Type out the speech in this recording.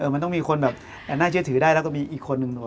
มันต้องมีคนแบบน่าเชื่อถือได้แล้วก็มีอีกคนนึงด้วย